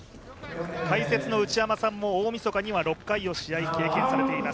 解説の内山さんも大みそかには６回試合を経験されています。